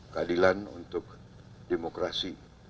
keadilan untuk demokrasi